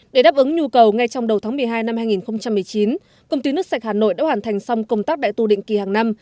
để đáp ứng nhu cầu ngay trong đầu tháng một mươi hai năm hai nghìn một mươi chín công ty nước sạch hà nội đã hoàn thành xong công tác đại tu định kỳ hàng năm